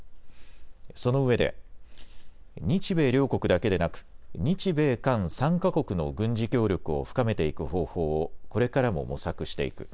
そのうえで日米両国だけでなく日米韓３か国の軍事協力を深めていく方法をこれからも模索していく。